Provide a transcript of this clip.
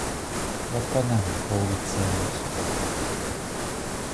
ลดกระหน่ำโควิดเซลส์